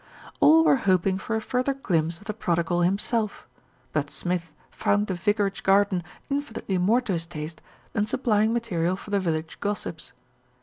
All were hoping for a further glimpse of the prodigal himself; but Smith found the vicarage garden infinitely more to his taste than supplying material for the village gossips.